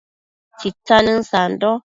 Tsitsanën sando